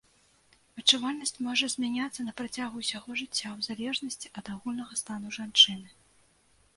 Адчувальнасць можа змяняцца на працягу ўсяго жыцця, у залежнасці ад агульнага стану жанчыны.